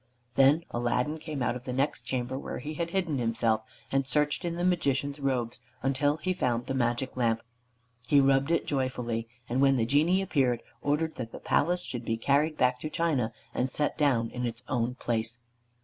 Then Aladdin came out of the next chamber where he had hidden himself, and searched in the Magician's robe until he found the Magic Lamp. He rubbed it joyfully, and when the Genie appeared, ordered that the palace should be carried back to China, and set down in its own place.